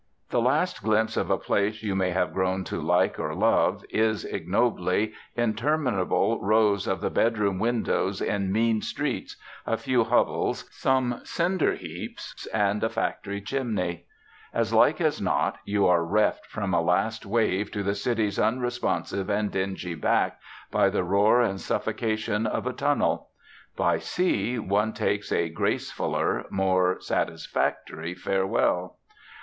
The last glimpse of a place you may have grown to like or love is, ignobly, interminable rows of the bedroom windows in mean streets, a few hovels, some cinder heaps, and a factory chimney. As like as not, you are reft from a last wave to the city's unresponsive and dingy back by the roar and suffocation of a tunnel. By sea one takes a gracefuller, more satisfactory farewell.